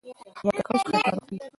که هوا ککړه شي، خلک ناروغ کېږي.